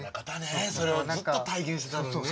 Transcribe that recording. それをずっと体現してたもんね！